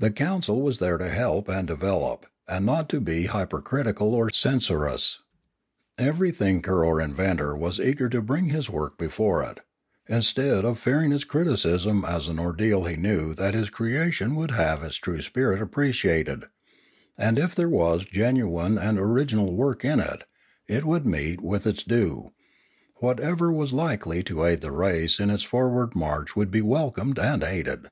The council was there to help and develop, and not to be hypercritical or censorious. Every thinker or inventor was eager to bring his work before it; instead of fear ing its criticism as an ordeal he knew that his creation would have its true spirit appreciated, and if there was genuine and original work in it, it would meet with its due; whatever was likely to aid the race in its forward march would be welcomed and aided.